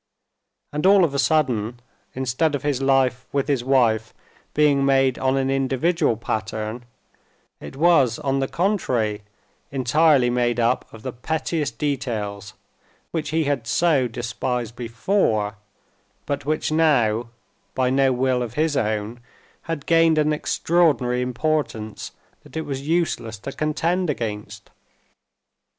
And all of a sudden, instead of his life with his wife being made on an individual pattern, it was, on the contrary, entirely made up of the pettiest details, which he had so despised before, but which now, by no will of his own, had gained an extraordinary importance that it was useless to contend against.